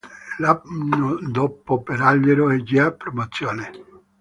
L’anno dopo per l’Alghero è già promozione.